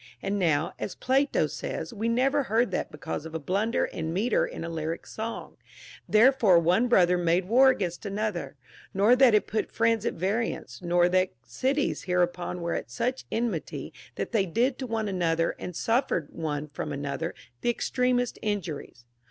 And now, as Plato * says, we never heard that because of a blunder in metre in a lyric song, therefore one brother made war against another, nor that it put friends at variance, nor that cities hereupon were at such enmity tliat they did to one another and suffered one from another the extremest injuries.